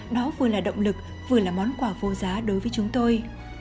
đó vừa là động lực vừa là món quà vô giá đối với chúng tôi